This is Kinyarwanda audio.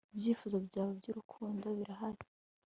Ibyifuzo byawe byurukundo birahari